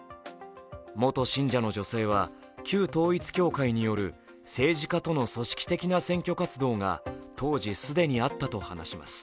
元信者の女性は旧統一教会による政治家との組織的な選挙活動が当時すでにあったと話します。